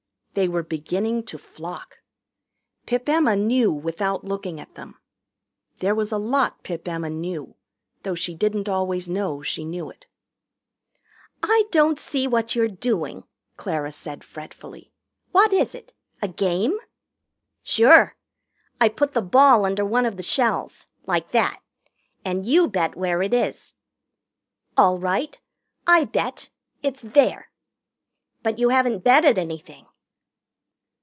They were beginning to flock. Pip Emma knew without looking at them. There was a lot Pip Emma knew, though she didn't always know she knew it. "I don't see what you're doing," Clara said fretfully. "What is it? A game?" "Sure. I put the ball under one of the shells like that and you bet where it is." "All right. I bet. It's there." "But you haven't betted anything."